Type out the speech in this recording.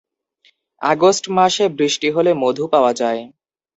August মাসে বৃষ্টি হলে মধু পাওয়া যায়।